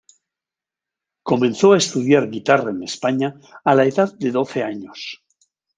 Comenzó a estudiar guitarra en España a la edad de doce años.